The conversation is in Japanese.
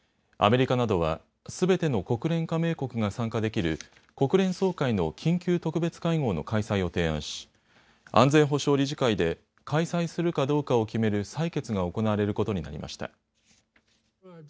アメリカなどはすべての国連加盟国が参加できる国連総会の緊急特別会合の開催を提案し安全保障理事会で開催するかどうかを決める採決が行われることになりました。